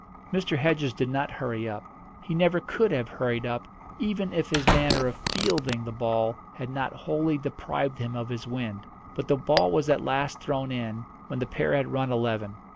Mr. Hedges did not hurry up; he never could have hurried up, even if his manner of "fielding" the ball had not wholly deprived him of his wind. But the ball was at last thrown in when the pair had run eleven.